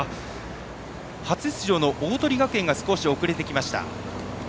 初出場の鵬学園が少し遅れてきました。